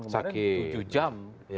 kemudian tujuh jam